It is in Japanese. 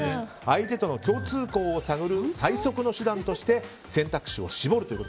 相手との共通項を探る最速の手段として選択肢を絞るという。